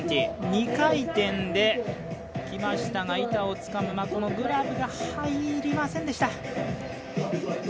２回転できましたが板をつかむ、このグラブが入りませんでした。